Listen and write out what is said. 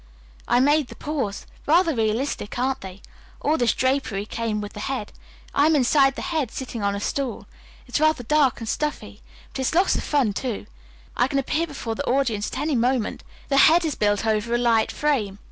I made the paws. Rather realistic, aren't they? All this drapery came with the head. I am inside the head, sitting on a stool. It's rather dark and stuffy, but it's lots of fun, too. I can appear before the audience at any moment. The head is built over a light frame.